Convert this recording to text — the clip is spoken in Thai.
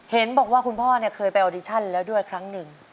เห็นบอกว่าคุณพ่อเคยไปออดิชั่นแล้วด้วยครั้งหนึ่ง